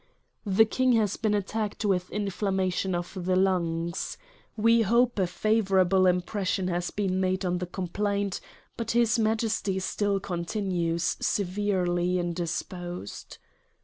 " The King has been attacked with inflammation of the lungs. We hope a favorable impression has been made on the complaint; but his Majesty still continues severely indisposed.